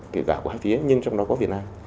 kể cả của hai phía nhưng trong đó có việt nam